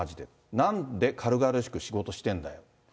なんで軽々しく仕事してんだよ。